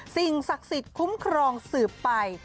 สิ่งศักดิ์สิทธิ์คุ้มครองสืบไป